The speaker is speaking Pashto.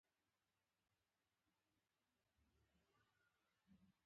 • انګور د روغتیا لپاره ډېر ګټور دي.